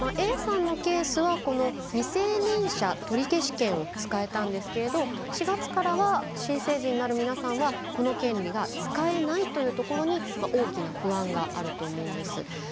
Ａさんのケースはこの未成年者取消権を使えたんですけれど４月からは新成人になる皆さんはこの権利が使えないというところに大きな不安があると思うんです。